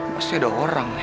pasti ada orang nih